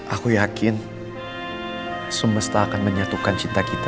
aku yakin semesta akan menyatukan cinta kita